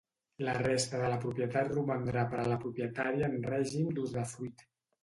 La resta de la propietat romandrà per a la propietària en règim d’usdefruit.